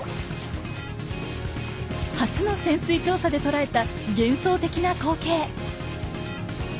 初の潜水調査で捉えた幻想的な光景。